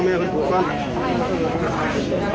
พ่อแม่ลุงพลนะครับสำหรับพ่อแม่ลุงพลนะครับ